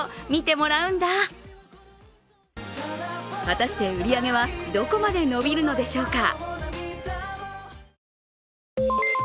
果たして売り上げはどこまで伸びるのでしょうか。